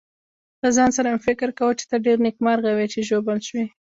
له ځان سره مې فکر کاوه چې ته ډېر نېکمرغه وې چې ژوبل شوې.